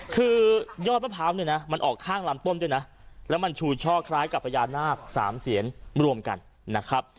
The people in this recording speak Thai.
คือยอดมะพร้าวเนี่ยนะมันออกข้างลำต้นด้วยนะแล้วมันชูช่อคล้ายกับพญานาค๓เสียนรวมกันนะครับ